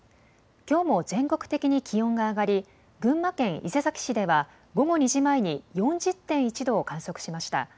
きょうも全国的に気温が上がり群馬県伊勢崎市では午後２時前に４０．１度を観測しました。